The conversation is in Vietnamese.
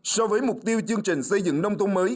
so với mục tiêu chương trình xây dựng nông tôn mới